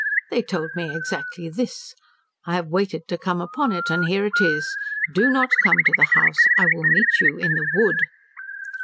They told me exactly this. I have waited to come upon it, and here it is. "Do not come to the house I will meet you in the wood."'